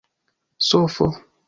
sofo